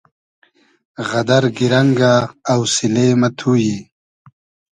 غئدئر گیرئنگۂ اۆسیلې مۂ تو یی